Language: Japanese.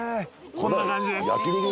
こんな感じです